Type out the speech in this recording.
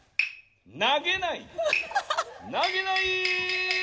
投げない！」。